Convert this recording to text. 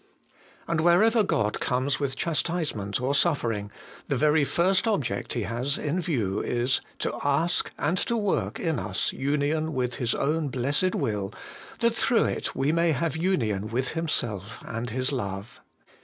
And wherever God comes with chastisement or suffering, the very first object He has in view is, to ask and to work in us union with His own blessed will, that through it we may have union 256 HOLY IN CHRIST. with Himself and His love.